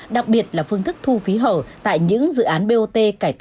đặc biệt là phương thức thu phí hở tại những dự án bot